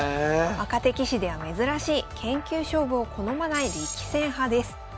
若手棋士では珍しい研究勝負を好まない力戦派です。